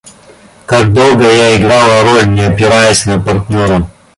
Как долго я играла роль, Не опираясь на партнера.